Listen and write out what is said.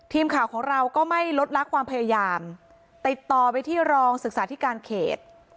ทีมข่าวของเราก็ไม่ลดลักความพยายามติดต่อไปที่รองศึกษาธิการเขต